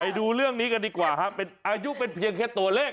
ไปดูเรื่องนี้กันดีกว่าอายุเป็นเพียงแค่ตัวเลข